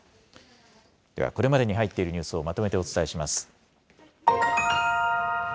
ではこれまでに入っているニュースをまとめてお伝えします。